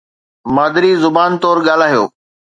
مادري زبان طور ڳالهايو